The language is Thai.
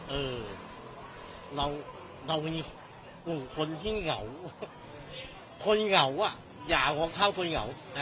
เรามีภูติคนที่เหงาคนเหงาอย่ารองเข้าคนเหงา